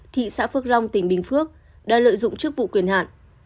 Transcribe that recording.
thị xã phước long tỉnh bình phước đã lợi dụng chức vụ quyền hạn